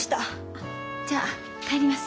あっじゃあ帰ります。